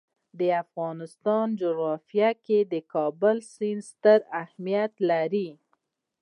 د افغانستان جغرافیه کې د کابل سیند ستر اهمیت لري.